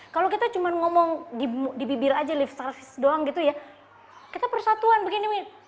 kalau kita cuma ngomong di bibir aja lift service doang gitu ya kita persatuan begini